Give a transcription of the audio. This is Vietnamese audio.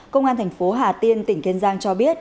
công an tp htn tỉnh kiên giang cho biết